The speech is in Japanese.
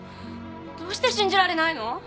どうして信じられないの？